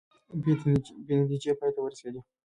بې نتیجې پای ته ورسیدې